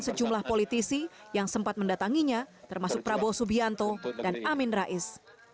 sejumlah politisi yang sempat mendatanginya termasuk prabowo subianto dan amin rais